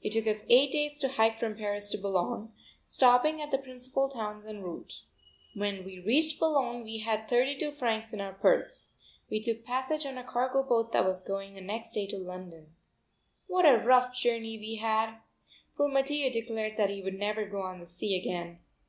It took us eight days to hike from Paris to Bologne, stopping at the principal towns en route. When we reached Bologne we had thirty two francs in our purse. We took passage on a cargo boat that was going the next day to London. What a rough journey we had! Poor Mattia declared that he would never go on the sea again.